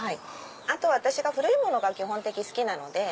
あと私が古いものが基本的に好きなので。